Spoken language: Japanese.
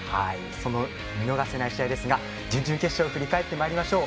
その見逃せない試合ですが準々決勝を振り返りましょう。